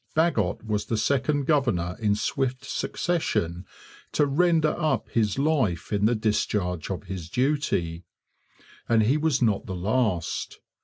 Bagot was the second governor in swift succession to render up his life in the discharge of his duty. And he was not the last.